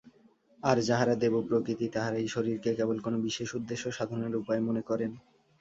আর যাঁহারা দেবপ্রকৃতি, তাঁহারা এই শরীরকে কেবল কোন বিশেষ উদ্দেশ্য-সাধনের উপায় মনে করেন।